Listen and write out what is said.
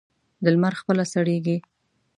د لمر خپله سړېږي.